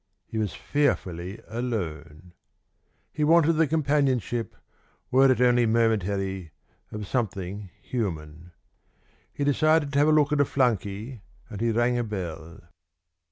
He was fearfully alone. He wanted the companionship, were it only momentary, of something human. He decided to have a look at a flunkey, and he rang a bell.